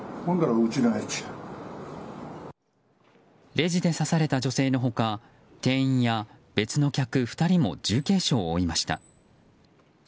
レジで刺された女性の他店員や別の客２人も重軽傷を負いました。